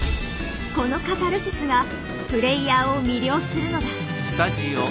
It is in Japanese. このカタルシスがプレイヤーを魅了するのだ。